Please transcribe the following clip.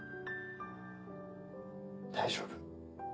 大丈夫。